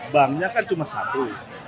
banknya kan cuma satu